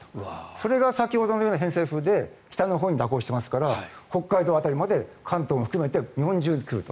それが先ほどのような偏西風で北のほうに蛇行してますから北海道辺りまで関東も含めて日本中に来ると。